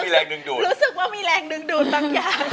รู้สึกว่ามีแรงดึงดูดบางอย่าง